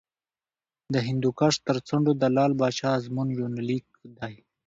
د هندوکش تر څنډو د لعل پاچا ازمون یونلیک دی